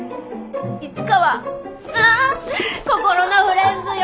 市川あ心のフレンズよ。